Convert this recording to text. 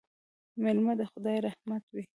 مېلمه د خدای رحمت وي